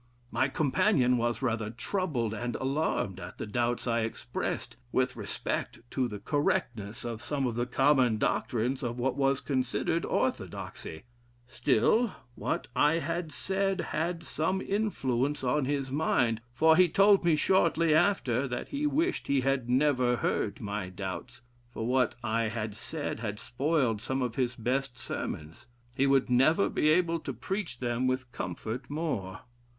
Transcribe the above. My companion was rather troubled and alarmed at the doubts I expressed with respect to the correctness of some of the common doctrines of what was considered orthodoxy; still, what I had said had some influence on his mind, for he told me shortly after, that he wished he had never heard my doubts, for what I had said had spoiled some of his best sermons; he would never be able to preach them with comfort more....